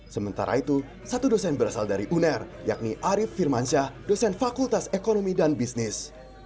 sementara itu satu dosen berasal dari uner yakni arief firmansyah dosen fakultas ekonomi dan bisnis